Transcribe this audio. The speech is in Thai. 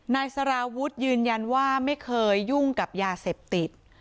นายสารวุฒิยืนยันว่าไม่เคยยุ่งกับยาเสพติด